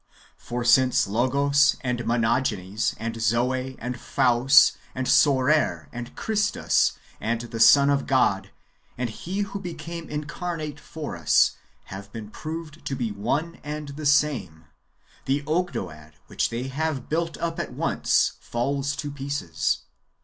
For, since Logos, and Monogenes, and Zoe, and Phos, and Soter, and Christus, and the Son of God, and He who became incar nate for us, have been proved to be one and the same, the Ogdoad which they have built up at once falls to pieces.